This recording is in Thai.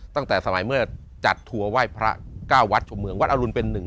ตั้งแต่สมัยเมื่อจัดทัวร์ไหว้พระ๙วัดชมเมืองวัดอรุณเป็น๑